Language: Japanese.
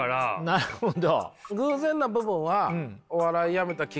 なるほど。